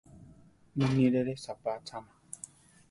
Munírere saʼpá achama.